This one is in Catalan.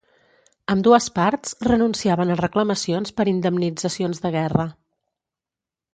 Ambdues parts renunciaven a reclamacions per indemnitzacions de guerra.